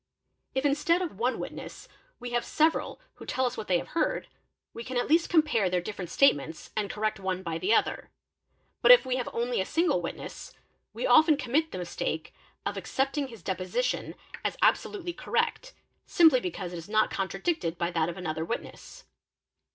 If instead of one witness we have several who tell us what they have heard, we can at least compare their different statements and correct one by the other; but if we have only a single witness, we 'often commit the mistake of accepting his deposition as absolutely cor rect, simply because it is not contradicted by that of another witness.